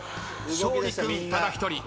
勝利君ただ一人。